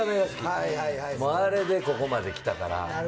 あれでここまで来たから。